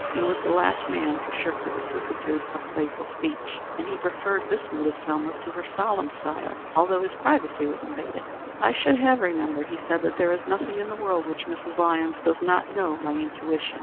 He was the last man to shirk the vicissitudes of playful speech, and he preferred this mood of Selma's to her solemn style, although his privacy was invaded. "I should have remembered," he said, "that there is nothing in the world which Mrs. Lyons does not know by intuition."